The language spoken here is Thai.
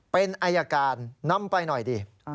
เป็นอายการนำไปหน่อยดี